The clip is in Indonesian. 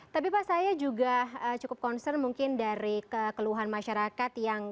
tapi pak saya juga cukup concern mungkin dari kekeluhan masyarakat yang